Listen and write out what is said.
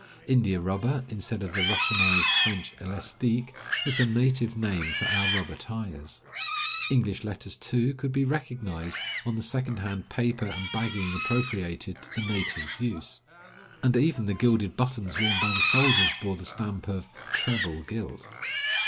India rubber, instead of the Russianized French elastique, was the native name for our rubber tires. English letters, too, could be recognized on the second hand paper and bagging appropriated to the natives' use, and even the gilded 158 Across Asia on a Bicycle buttons worn by the soldiers bore the stamp of "treble gilt."